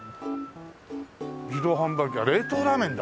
自動販売機冷凍ラーメンだ。